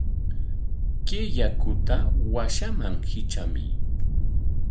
Kay yakuta washaman hitramuy.